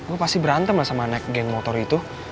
gue pasti berantem lah sama naik geng motor itu